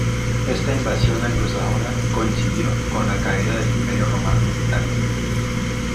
Esta invasión anglosajona coincidió con la caída del Imperio romano en Britania.